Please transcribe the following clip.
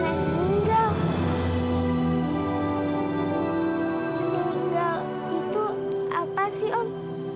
meninggal itu apa sih om